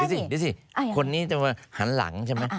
อ่าเดี๋ยวสิคนนี้จะหันหลังใช่ไหม